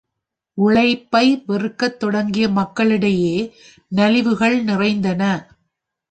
உழைப்பை வெறுக்கத் தொடங்கிய மக்களிடையே நலிவுகள் நிறைந்தன.